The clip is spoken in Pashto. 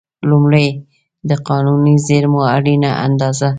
لومړی: د قانوني زېرمو اړینه اندازه.